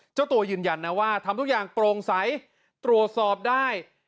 เจ้าตัวยืนยันนะว่าทำทุกอย่างโปร่งใสตรวจสอบได้